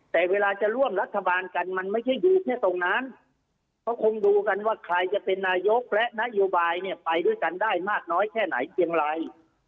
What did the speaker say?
แต่เวลาจะร่วมรัฐบาลกันมันไม่ใช่อยู่แค่ตรงนั้นเขาคงดูกันว่าใครจะเป็นนายกและนโยบายเนี่ยไปด้วยกันได้มากน้อยแค่ไหนเพียงไร